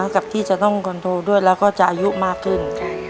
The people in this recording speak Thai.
กับที่จะต้องคอนโทรด้วยแล้วก็จะอายุมากขึ้น